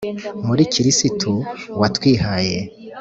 muri kristu watwihaye